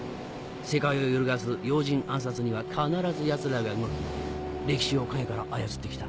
世界を揺るがす要人暗殺には必ずヤツらが動き歴史を陰から操って来た。